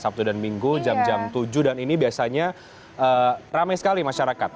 sabtu dan minggu jam tujuh dan ini biasanya ramai sekali masyarakat